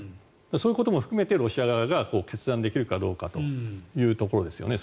そういうことも含めてロシア側が決断できるかどうかというところですよね。